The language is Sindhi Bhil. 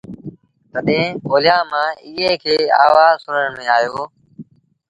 تڏهيݩ اوليآ مآݩ ايٚئي کي آوآز سُڻڻ ميݩ آيو